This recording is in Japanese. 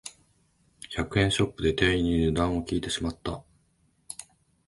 百円ショップで店員に値段を聞いてしまった